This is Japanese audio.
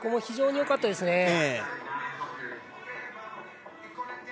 非常によかったですね。